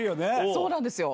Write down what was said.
そうなんですよ。